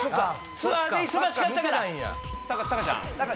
ツアーで忙しかったから！